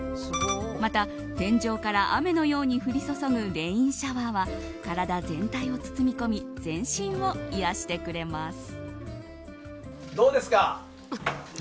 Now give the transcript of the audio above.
また、天井から雨のように降り注ぐレインシャワーは体全体を包み込み全身を癒やしてくれます。